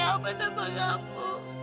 ada apa tanpa kamu